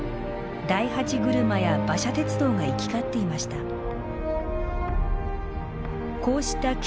大八車や馬車鉄道が行き交っていました。